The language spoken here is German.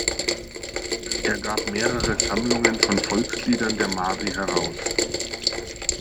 Er gab mehrere Sammlungen von Volksliedern der Mari heraus.